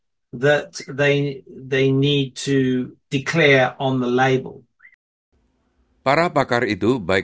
biasanya tidak ada pelabelan langsung pfas dalam produk yang dijual di australia